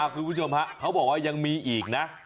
คุณผู้ชมฮะเขาบอกว่ายังมีอีกนะ